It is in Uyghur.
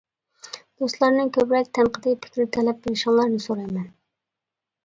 دوستلارنىڭ كۆپرەك تەنقىدىي پىكىر-تەلەپ بېرىشىڭلارنى سورايمەن.